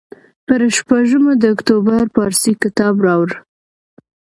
پر شپږمه د اکتوبر پارسي کتاب راوړ.